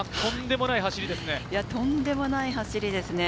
とんでもない走りですね。